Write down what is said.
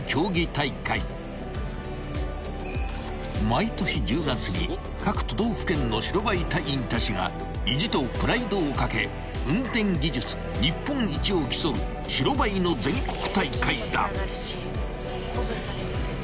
［毎年１０月に各都道府県の白バイ隊員たちが意地とプライドをかけ運転技術日本一を競う白バイの全国大会だ］